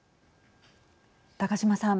高島さん。